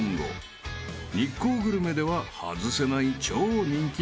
［日光グルメでは外せない超人気の一品］